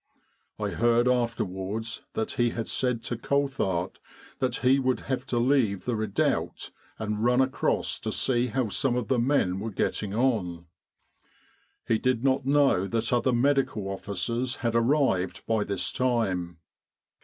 I heard afterwards that he had said to Colthart that he would have to leave the redoubt and run across to see how some of the men were getting on. He did not know that other Medical Officers had arrived by this time.